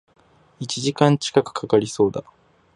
一時間近く掛かりそうだ